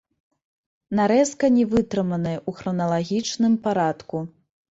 Нарэзка не вытрыманая ў храналагічным парадку.